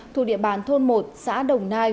thu địa bàn thôn một xã đồng nai